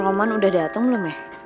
roman udah datang belum ya